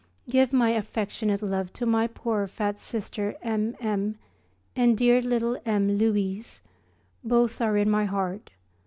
Give my affectionate love to my poor fat Sister M. M., and dear little M. Louise; both are in my heart.